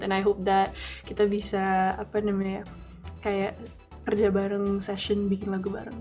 dan aku harap kita bisa kerja bareng session bikin lagu bareng gitu